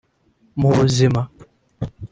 Mu buzima